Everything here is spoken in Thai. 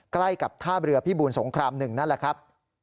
ใกล้กับท่าเรือพิบูลสงคราม๑นั่นแหละครับ